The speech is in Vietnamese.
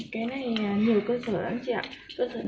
cái này nhiều cơ sở đáng chị ạ